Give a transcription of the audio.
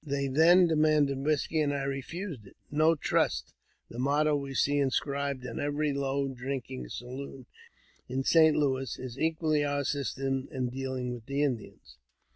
They then demanded whisky, and I refused it. "No trust," the motto we see inscribed on every low drinking saloon in St. Louis, is equally our system in dealing with the Indians.